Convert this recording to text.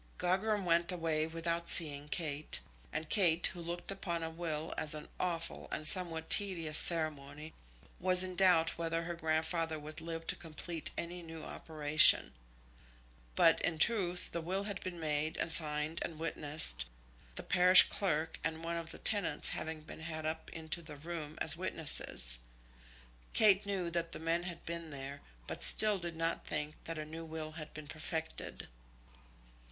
Gogram went away without seeing Kate; and Kate, who looked upon a will as an awful and somewhat tedious ceremony, was in doubt whether her grandfather would live to complete any new operation. But, in truth, the will had been made and signed and witnessed, the parish clerk and one of the tenants having been had up into the room as witnesses. Kate knew that the men had been there, but still did not think that a new will had been perfected.